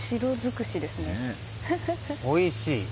おいしい。